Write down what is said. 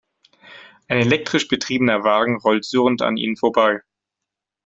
Ein elektrisch betriebener Wagen rollte surrend an ihnen vorbei.